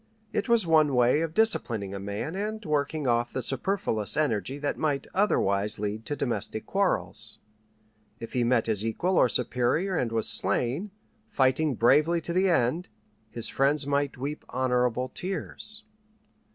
It was one way of disciplining a man and working off the superfluous energy that might otherwise lead to domestic quarrels. If he met his equal or superior and was slain, fighting bravely to the end, his friends might weep honorable tears.